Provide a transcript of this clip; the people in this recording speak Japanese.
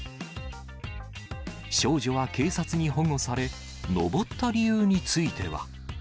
少女は警察に保護され、上った理由については。